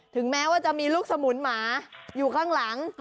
ถึงแม้ว่าจะมีลูกสมุนหมาอยู่ข้างหลัง